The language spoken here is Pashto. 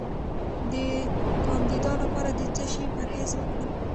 د کاندیدا لپاره د څه شي پرهیز وکړم؟